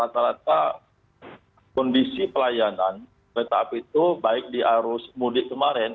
rata rata kondisi pelayanan kereta api itu baik di arus mudik kemarin